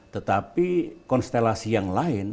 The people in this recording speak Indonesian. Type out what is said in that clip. tetapi konstelasi yang lain